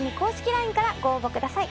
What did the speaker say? ＬＩＮＥからご応募ください。